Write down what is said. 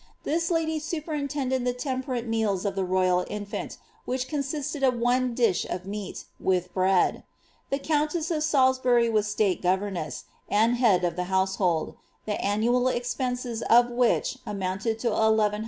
This lady superintended the temperate meals of the royal infant, which consisted of one dish of meat, with bread. The countess of Salisbury was state governess, and head of the household, the annual expenses of which amounted to 1 100